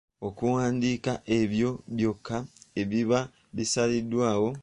Okuwandiika ebyo byokka ebiba bisaliddwawo. .